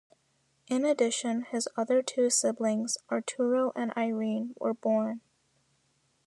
In addition, his other two siblings, Arturo and Irene, were born.